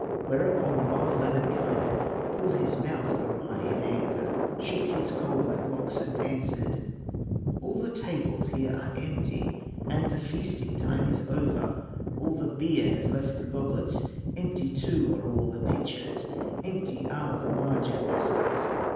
Whereupon wild Lemminkainen Pulled his mouth awry in anger, Shook his coal black locks and answered: "All the tables here are empty, And the feasting time is over; All the beer has left the goblets, Empty too are all the pitchers, Empty are the larger vessels.